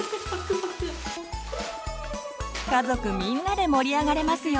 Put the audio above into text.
家族みんなで盛り上がれますよ！